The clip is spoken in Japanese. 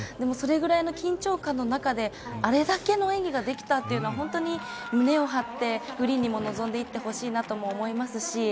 それぐらいの緊張感の中であれだけの演技ができたというのは本当に胸を張ってフリーにも臨んでいってほしいと思います。